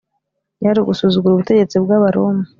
byari ugusuzugura ubutegetsi bw’abaroma